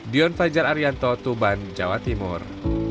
dion fajar arianto tuban jawa timur